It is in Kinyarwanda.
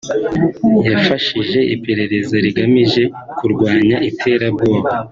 yifashishije iperereza rigamije kurwanya iterabwoba